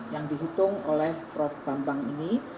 yang dihitung oleh prof bambang ini